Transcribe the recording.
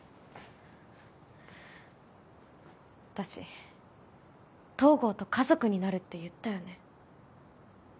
私東郷と家族になるって言ったよね？